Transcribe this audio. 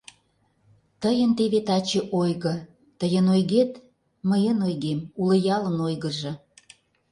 Тыйын теве таче ойго, тыйын ойгет — мыйын ойгем, уло ялын ойгыжо.